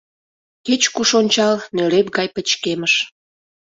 Кеч-куш ончал — нӧреп гай пычкемыш.